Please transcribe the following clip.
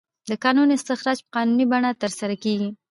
د کانونو استخراج په قانوني بڼه ترسره کیږي.